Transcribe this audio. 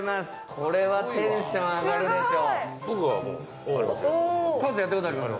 これはテンション上がるでしょう。